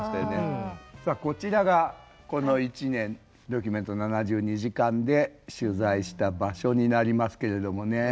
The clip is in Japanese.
さあこちらがこの一年「ドキュメント７２時間」で取材した場所になりますけれどもね。